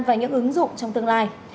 và những ứng dụng trong tương lai